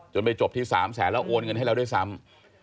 จนไปจบที่๓๐๐๐๐๐แล้วโอนเงินให้เราด้วยซ้ำ